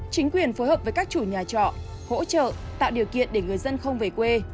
chính quyền phối hợp với các chủ nhà trọ hỗ trợ tạo điều kiện để người dân không về quê